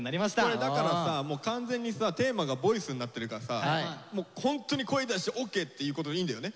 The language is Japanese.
これだからさもう完全にさテーマが「ＶＯＩＣＥ」になってるからさホントに声出してオーケーっていうことでいいんだよね？